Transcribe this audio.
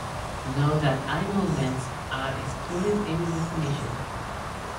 Note that eye movements are excluded in the definition.